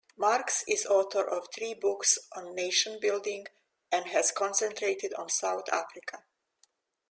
Marx is author of three books on nation-building, and has concentrated on South Africa.